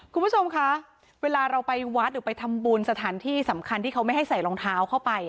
คุณผู้ชมคะเวลาเราไปวัดหรือไปทำบุญสถานที่สำคัญที่เขาไม่ให้ใส่รองเท้าเข้าไป